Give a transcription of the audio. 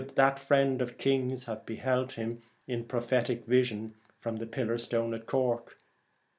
that friend of kings have beheld him in prophetic vision from the pillar stone at Cork.